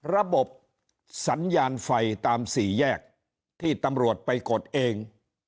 ระบบสัญญาณไฟตามสี่แยกที่ตำรวจไปกดเอง